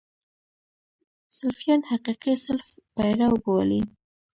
سلفیان حقیقي سلف پیرو بولي.